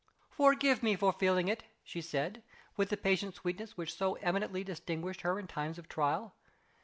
"Forgive me for feeling it!" she said, with the patient sweetness which so eminently distinguished her in times of trial.